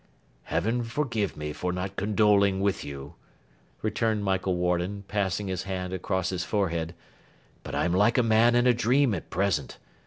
'Heaven forgive me for not condoling with you,' returned Michael Warden, passing his hand across his forehead, 'but I'm like a man in a dream at present.